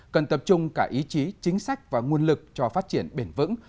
cần tập trung cả ý chí chính sách và nguồn lực cho phát triển bền vững